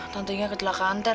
tante inge ketelakaan ter